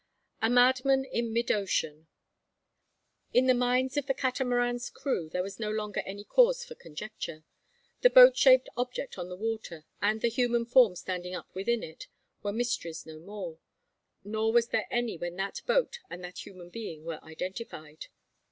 A MADMAN IN MID OCEAN. In the minds of the Catamaran's crew there was no longer any cause for conjecture. The boat shaped object on the water, and the human form standing up within it, were mysteries no more; nor was there any when that boat and that human being were identified.